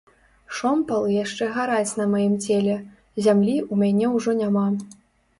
Шомпалы яшчэ гараць на маім целе, зямлі ў мяне ўжо няма.